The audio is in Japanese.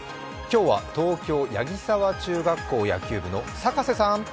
今日は東京・柳沢中学校野球部の逆瀬さん。